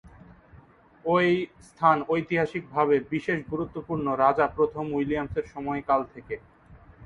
এই স্থান ঐতিহাসিক ভাবে বিশেষ গুরুত্বপূর্ণ রাজা প্রথম উইলিয়ামের সময়কাল থেকে।